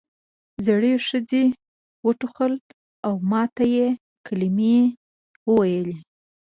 زړې ښځې وټوخل او ماتې کلمې یې وویل.